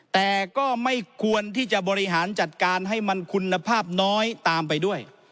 แต่ก็ไม่ควรที่จะบริหารจัดการให้มันคุณภาพน้อยตามไปด้วย